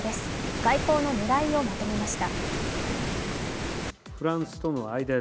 外交の狙いをまとめました。